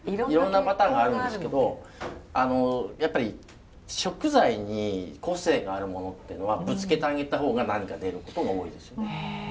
いろんなパターンがあるんですけどやっぱり食材に個性があるものっていうのはぶつけてあげた方が何か出ることが多いですよね。